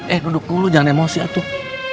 eh duduk dulu jangan emosi aduh